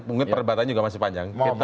mungkin perdebatannya juga masih panjang